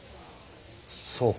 そうか。